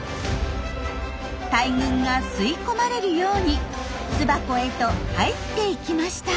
大群が吸い込まれるように巣箱へと入っていきました。